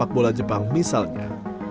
sepak bola jepang misalnya